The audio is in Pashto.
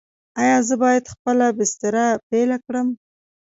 ایا زه باید خپله بستر بیله کړم؟